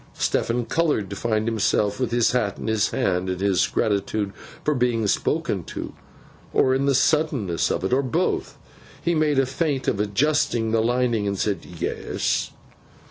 Stephen coloured to find himself with his hat in his hand, in his gratitude for being spoken to, or in the suddenness of it, or both. He made a feint of adjusting the lining, and said, 'Yes.